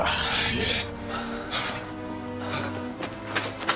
いえ。